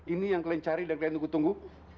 ini yang kalian cari dan kalian tunggu tunggu